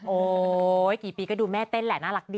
โอ้โหกี่ปีก็ดูแม่เต้นแหละน่ารักดี